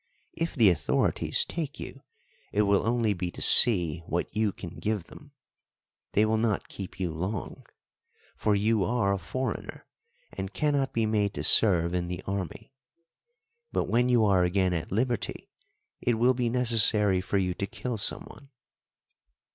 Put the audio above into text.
If the authorities take you, it will only be to see what you can give them: they will not keep you long, for you are a foreigner, and cannot be made to serve in the army. But when you are again at liberty it will be necessary for you to kill someone."